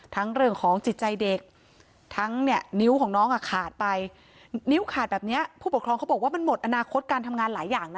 เรื่องของจิตใจเด็กทั้งเนี่ยนิ้วของน้องอ่ะขาดไปนิ้วขาดแบบเนี้ยผู้ปกครองเขาบอกว่ามันหมดอนาคตการทำงานหลายอย่างนะ